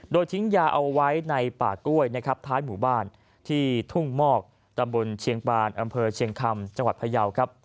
โดยทิ้งยาเอาไว้ในป่ากล้วยท้ายหมู่บ้านที่ทุ่งมอกตำบลเชียงปานอำเภอเชียงคำจังหวัดพยาว